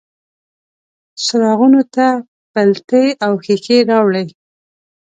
څراغونو ته پیلتې او ښیښې راوړي